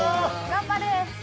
頑張れ。